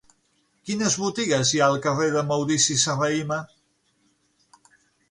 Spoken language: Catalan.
Quines botigues hi ha al carrer de Maurici Serrahima?